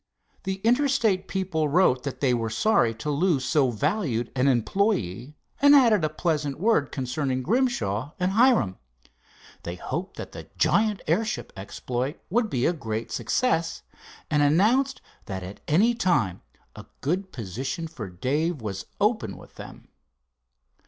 The Interstate people wrote that they were sorry to lose so valued an employe, and added a pleasant word concerning Grimshaw and Hiram. They hoped that the giant airship exploit would be a great success, and announced that at any time a good position for Dave was open with them.